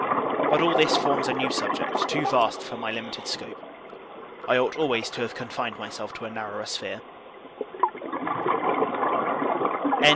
But all this forms a new subject too vast for my limited scope. I ought always to have confined myself to a narrower sphere.